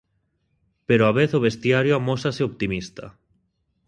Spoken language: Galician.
Pero á vez o vestiario amósase optimista.